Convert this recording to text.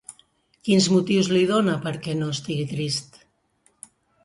Quins motius li dona perquè no estigui trist?